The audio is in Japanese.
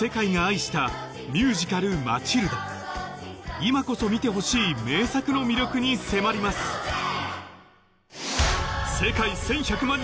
今こそ見てほしい名作の魅力に迫りますあれ？